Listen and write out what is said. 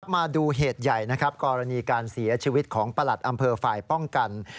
มาดูเหตุใหญ่นะครับกรณีการเสียชีวิตของประหลัดอำเภอฝ่ายป้องกัน